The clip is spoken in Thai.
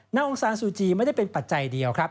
มองซานซูจีไม่ได้เป็นปัจจัยเดียวครับ